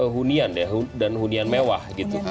hunian dan hunian mewah